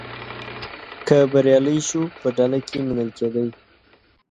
که بریالی شو په ډله کې منل کېدی.